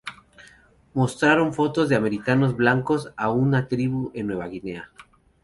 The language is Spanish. Mostraron fotos de americanos blancos a una tribu en Nueva Guinea.